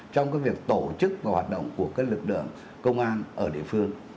trong cái việc tổ chức và hoạt động của cái lực lượng công an ở địa phương